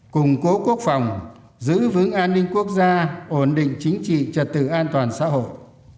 củng cố quốc phòng giữ vững an ninh quốc gia ổn định chính trị trật tự an toàn xã hội